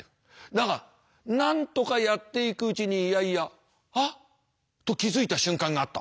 だがなんとかやっていくうちにいやいや「あっ」と気付いた瞬間があった。